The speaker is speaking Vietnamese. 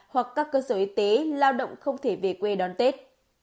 hoặc các cơ sở y tế lao động không thể về quê đón tết